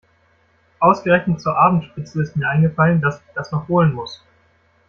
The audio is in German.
Ausgerechnet zur Abendspitze ist mir eingefallen, dass ich das noch holen muss.